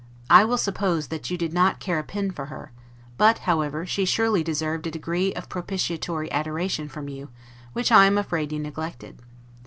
I will suppose that you did not care a pin for her; but, however, she surely deserved a degree of propitiatory adoration from you, which I am afraid you neglected.